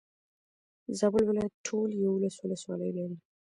زابل ولايت ټولي يولس ولسوالي لري.